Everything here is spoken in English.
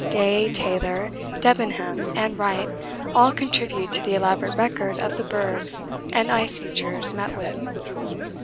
Day, Taylor, Debenham, and Wright all contribute to the elaborate record of the bergs and ice features met with.